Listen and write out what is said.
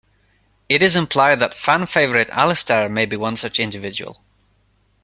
It is implied that fan-favorite Alistair may be one such individual.